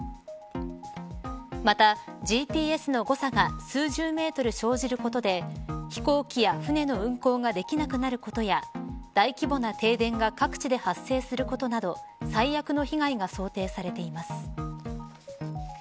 またＧＰＳの誤差が数十メートル生じることで飛行機や船の運航ができなくなることや大規模な停電が各地で発生することなど最悪の被害が想定されています。